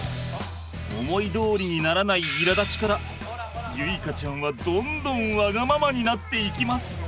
思いどおりにならないいらだちから結花ちゃんはどんどんわがままになっていきます。